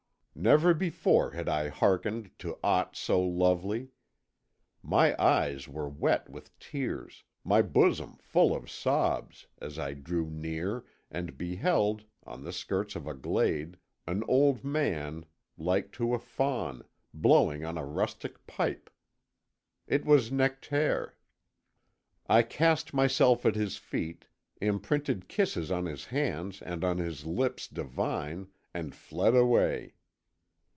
Never before had I hearkened to aught so lovely. My eyes were wet with tears, my bosom full of sobs, as I drew near and beheld, on the skirts of a glade, an old man like to a faun, blowing on a rustic pipe. It was Nectaire. I cast myself at his feet, imprinted kisses on his hands and on his lips divine, and fled away....